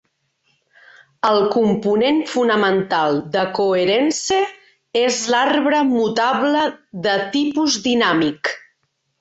El component fonamental de Coherence és l'arbre mutable de tipus dinàmic.